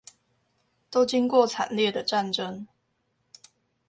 都經過慘烈的戰爭